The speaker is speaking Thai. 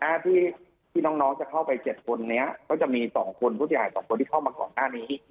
หน้าที่ที่น้องน้องจะเข้าไปเจ็ดคนนี้ก็จะมีสองคนผู้ใหญ่สองคนที่เข้ามาก่อนหน้านี้